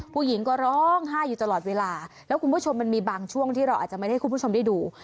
ผู้หญิงก็ร้องไห้อยู่ตลอดเวลาแล้วคุณผู้ชมมันมีบางช่วงที่เราอาจจะไม่ได้ให้คุณผู้ชมได้ดู